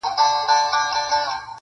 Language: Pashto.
هم مُلا هم گاونډیانو ته منلی-